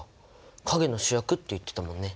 陰の主役って言ってたもんね。